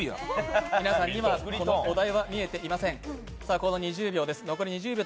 皆さんにはこのお題は見えていません。